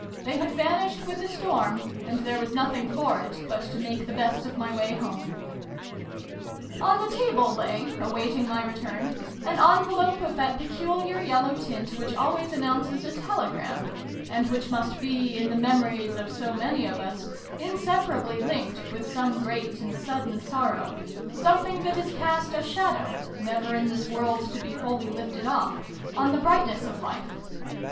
They had vanished with the storm, and there was nothing for it but to make the best of my way home. On the table lay, awaiting my return, an envelope of that peculiar yellow tint which always announces a telegram, and which must be, in the memories of so many of us, in separably linked with some great and sudden sorrow something that has cast a shadow, never in this world to be wholly lifted off, on the brightness of Life.